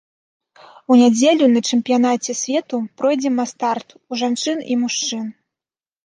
У нядзелю на чэмпіянаце свету пройдзе мас-старт у жанчын і мужчын.